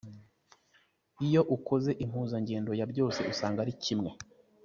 Iyo ukoze impuzandego ya byose, usanga ari kimwe.